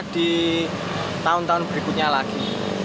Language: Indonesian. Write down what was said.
di tahun tahun berikutnya lagi